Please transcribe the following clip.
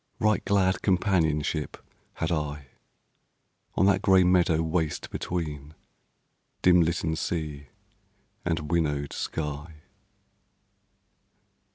Right glad companionship had I, On that gray meadow waste between Dim litten sea and winnowed sky.